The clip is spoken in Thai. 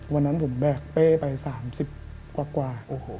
วันนั้นผมแบกเป้ไป๓๐กว่า